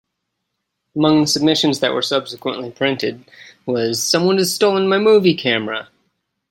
Among the submissions that were subsequently printed was Someone has stolen my movie camera!